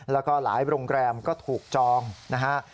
แล้วก็หลายโรงแรมก็ถูกจองนะฮะ